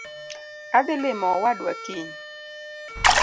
Adhii limo owadwa kiny.